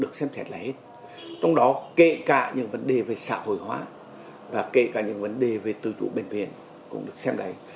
có kể cả những vấn đề về xã hội hóa và kể cả những vấn đề về tư vụ bệnh viện cũng được xem đáy